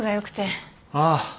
ああ。